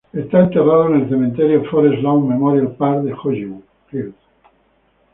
Está enterrado en el Cementerio Forest Lawn Memorial Park de Hollywood Hills.